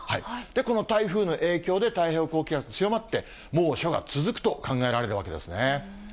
この台風の影響で太平洋高気圧強まって、猛暑が続くと考えられるわけですね。